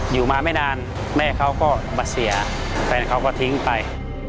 อยู่มาไม่นานแม่เขาก็บัตรเสียแฟนเขาก็ทิ้งไป